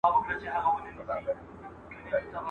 خدایه اوس به چاته ورسو له هرچا څخه لار ورکه.